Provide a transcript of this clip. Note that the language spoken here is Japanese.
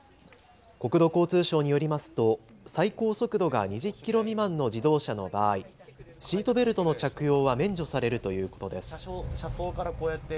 国土交通省によりますと最高速度が２０キロ未満の自動車の場合、シートベルトの着用は免除されるということです。